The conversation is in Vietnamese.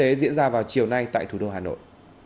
hội nghị diễn ra vào chiều nay tại thủ đô hà nội